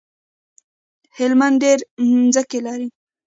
هلمند ډيری مځکی لری